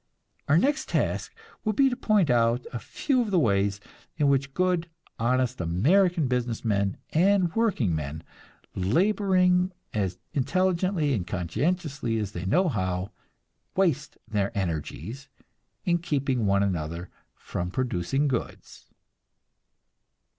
Our next task will be to point out a few of the ways in which good, honest American business men and workingmen, laboring as intelligently and conscientiously as they know how, waste their energies in keeping one another from producing goods.